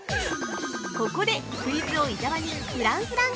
◆ここでクイズ王・伊沢に「フランフラン」